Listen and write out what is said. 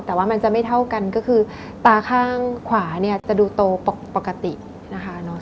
แต่ว่ามันจะไม่เท่ากันก็คือตาข้างขวาเนี่ยจะดูโตปกตินะคะ